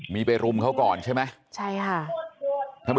มีไปรุมเขาก่อนใช่ไหม